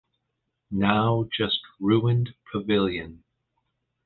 Now just ruined pavilion.